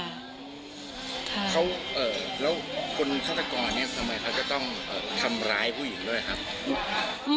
แล้วคนฆาตกรเนี่ยทำไมเขาจะต้องทำร้ายผู้หญิงด้วยครับ